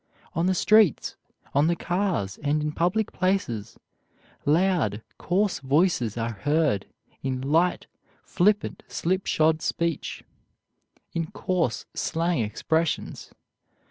On the streets, on the cars, and in public places, loud, coarse voices are heard in light, flippant, slipshod speech, in coarse slang expressions.